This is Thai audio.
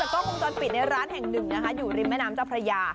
แล้วก็คงตอนปิดในร้านแห่งหนึ่งอยู่แม่น้ำเจ้าพระยา